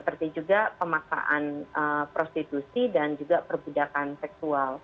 seperti juga pemaksaan prostitusi dan juga perbudakan seksual